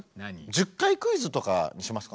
１０回クイズとかにしますか？